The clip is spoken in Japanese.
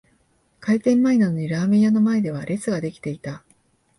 開店前なのにラーメン屋の前では列が出来ていた